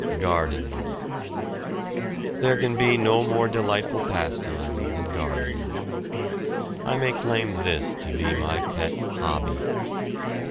GARDENING. There can be no more delightful pastime than gardening. I may claim this to be my pet "hobby."